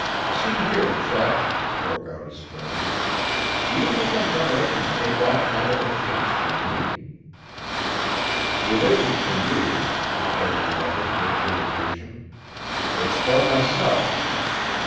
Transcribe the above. "See here, Chet!" broke out his friend. "Do you think I'm going to let you take that kind of a chance for me?" "It isn't for you," declared the other with irritation. "It's for myself.